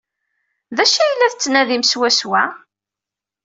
D acu ay la nettnadim swaswa?